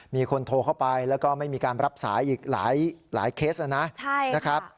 มีคนโทรเข้าไปแล้วก็ไม่มีการรับสายอีกหลายเคสนะครับ